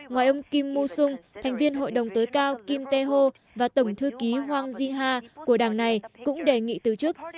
ngoài ông kim mô sung thành viên hội đồng tới cao kim tae ho và tổng thư ký hwang ji ha của đảng này cũng đề nghị tư chức